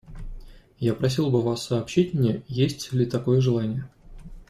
Я просил бы вас сообщить мне, есть ли такое желание.